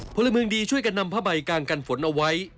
พลเมืองดีช่วยกันนำผ้าใบกางกันฝนเอาไว้